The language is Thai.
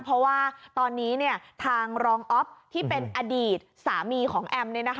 เพราะว่าตอนนี้ทางรองอ๊อฟที่เป็นอดีตสามีของแอม